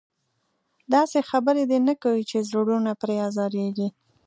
داسې خبره دې نه کوي چې زړونه پرې ازارېږي.